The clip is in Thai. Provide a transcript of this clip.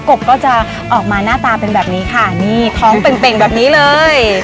กบก็จะออกมาหน้าตาเป็นแบบนี้ค่ะนี่ท้องเป่งแบบนี้เลย